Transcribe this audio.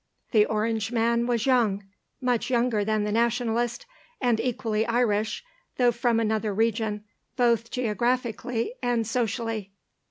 The Orangeman was young, much younger than the Nationalist, and equally Irish, though from another region, both geographically and socially.